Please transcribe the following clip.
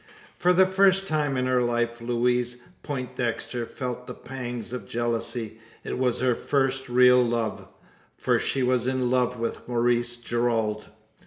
For the first time in her life Louise Poindexter felt the pangs of jealousy. It was her first real love: for she was in love with Maurice Gerald.